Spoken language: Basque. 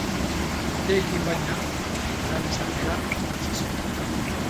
Urteekin, baina, jeneral izatera iritsi zen.